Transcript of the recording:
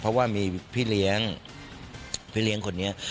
เพราะว่ามีพี่เลี้ยงพี่เลี้ยงคนนี้